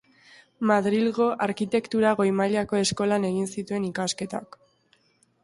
Madrilgo Arkitekturako Goi Mailako Eskolan egin zituen ikasketak.